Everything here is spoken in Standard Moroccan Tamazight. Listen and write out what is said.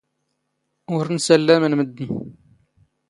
ⵓⵔ ⵏⵙⴰⵍⵍⴰⵎⵏ ⵎⴷⴷⵏ.